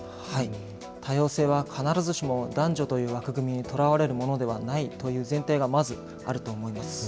多様性は必ずしも男女という枠組みにとらわれるものではないという前提がまずあると思います。